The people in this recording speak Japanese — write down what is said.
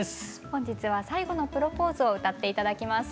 本日は「最後のプロポーズ」を歌って頂きます。